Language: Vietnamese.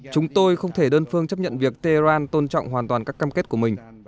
chúng tôi không thể đơn phương chấp nhận việc tehran tôn trọng hoàn toàn các cam kết của mình